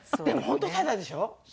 でも本当タダでしょ。